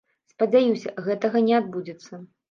Спадзяюся, гэтага не адбудзецца.